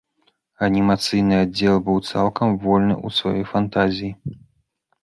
Анімацыйны аддзел быў цалкам вольны ў сваёй фантазіі.